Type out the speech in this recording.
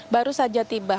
baru saja tiba